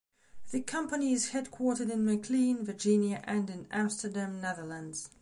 The company is headquartered in McLean, Virginia and in Amsterdam, Netherlands.